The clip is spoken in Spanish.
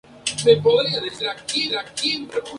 Pero debe marchar a la guerra.